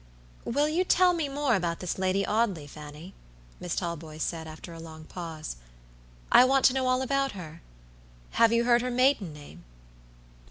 "Will you tell me more about this Lady Audley, Fanny?" Miss Talboys said, after a long pause. "I want to know all about her. Have you heard her maiden name?"